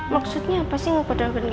maksudnya apa sih